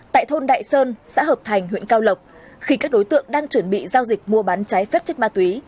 tại thôn đại sơn xã hợp thành huyện cao lộc khi các đối tượng đang chuẩn bị giao dịch mua bán trái phép chất ma túy